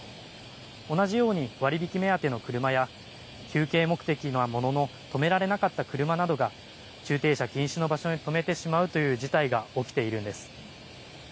同じように割引目当ての車や、休憩目的なものの、止められなかった車などが、駐停車禁止の場所に止めてしまうという事態が起きているんです。